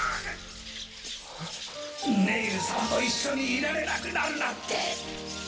ネイル様と一緒にいられなくなるなんて。